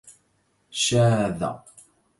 شاذ.